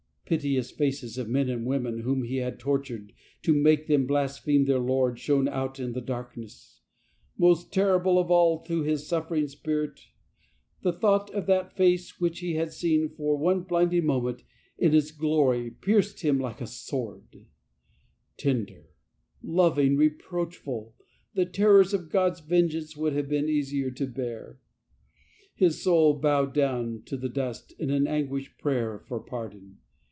Piteous faces of men and women whom he had tortured to make them blas pheme their Lord shone out in the darkness. Most terrible of all to his suffering spirit, the i, thought of that Face which he had seen for blinding moment in Its glory pierced him "WHY PERSECUTEST THOU ME?" 21 like a sword. Tender, loving, reproachful — the terrors of God's vengeance would have been easier to bear. His soul bowed down to the dust in an anguished prayer for pardon.